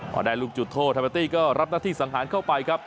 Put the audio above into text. พอได้ลูกจุดโทษทาเบอร์ตี้ก็รับหน้าที่สังหารเข้าไปครับ